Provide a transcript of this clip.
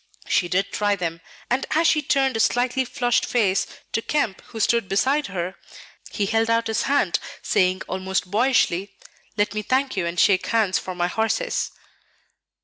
She did try them; and as she turned a slightly flushed face to Kemp, who stood beside her, he held out his hand, saying almost boyishly, "Let me thank you and shake hands for my horses."